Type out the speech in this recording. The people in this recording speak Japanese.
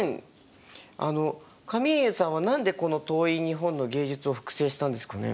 カミーユさんは何でこの遠い日本の芸術を複製したんですかね？